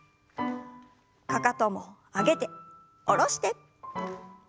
かかとも上げて下ろして。